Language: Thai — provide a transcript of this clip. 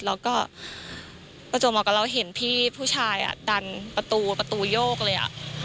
แล้วก็ประจวบเหมาะกับเราเห็นพี่ผู้ชายดันประตูประตูโยกเลย